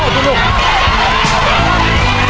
พระปักษมันก็วางแล้วลูก